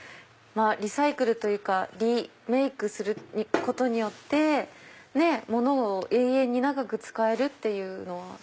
リサイクルというかリメイクすることによって物を永遠に長く使えるっていうのは。